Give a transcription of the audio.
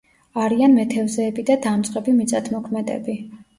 არიან მეთევზეები და დამწყები მიწათმოქმედები.